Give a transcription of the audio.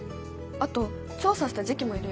あと調査した時期も入れよう。